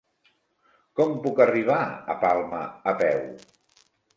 Com puc arribar a Palma a peu?